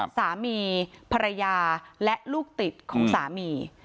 สามีภรรยาและลูกติดของสามี